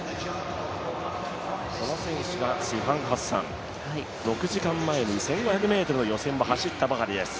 この選手がハッサン、６時間前に１５００ｍの予選を走ったばかりです。